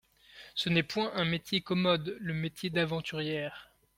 Ce n'est point un métier commode, le métier d'aventurière.